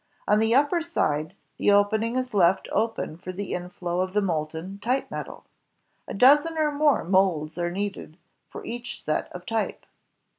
On the upper side, the opening is left open for the inflow of the molten type metal. A dozen or more molds are needed for each set of type.